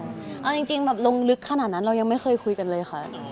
เอาจริงแบบลงลึกขนาดนั้นเรายังไม่เคยคุยกันเลยค่ะ